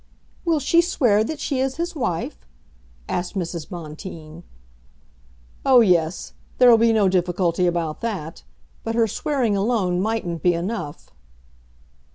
"Will she swear that she is his wife?" asked Mrs. Bonteen. "Oh, yes; there'll be no difficulty about that. But her swearing alone mightn't be enough."